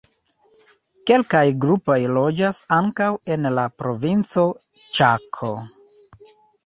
Kelkaj grupoj loĝas ankaŭ en la provinco Ĉako.